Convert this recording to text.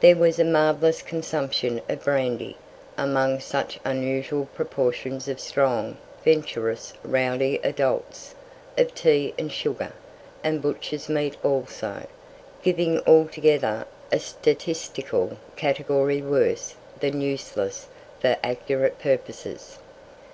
There was a marvellous consumption of brandy, among such unusual proportions of strong, venturous, rowdy adults; of tea and sugar, and butcher's meat also; giving altogether a statistical category worse than useless for accurate purposes.